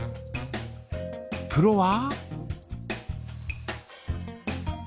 プロは？